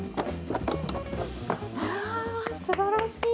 すばらしい！